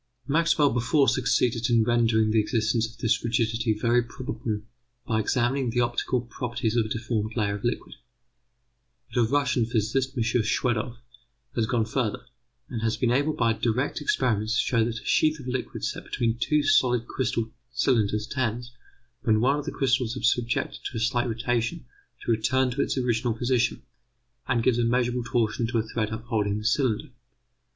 Maxwell before succeeded in rendering the existence of this rigidity very probable by examining the optical properties of a deformed layer of liquid. But a Russian physicist, M. Schwedoff, has gone further, and has been able by direct experiments to show that a sheath of liquid set between two solid cylinders tends, when one of the cylinders is subjected to a slight rotation, to return to its original position, and gives a measurable torsion to a thread upholding the cylinder.